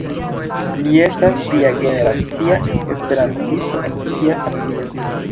Li estas tria-generacia esperantisto en sia familio.